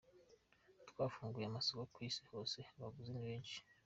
Twafunguye amasoko ku isi hose, abaguzi ni benshi.